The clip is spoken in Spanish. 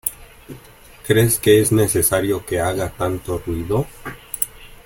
¿Crees que es necesario que haga tanto ruido?